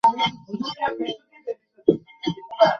তিনি পাবনা জেলা আওয়ামী লীগের বর্তমান সহসভাপতি।